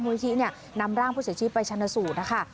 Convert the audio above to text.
วิธีนำร่างผู้เสียชีวิตไปชนสูตรนะคะ